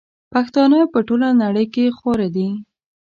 پښتانه په ټوله نړئ کي خواره دي